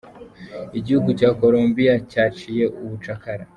Igihugu cya Colombiya cyaciye ubucakara.